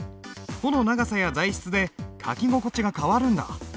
穂の長さや材質で書き心地が変わるんだ。